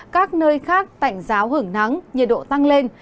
các nơi khác tạnh giáo hưởng nắng nhiệt độ tăng lên